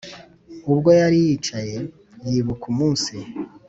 ubwo yari yicaye yibuka umunsi,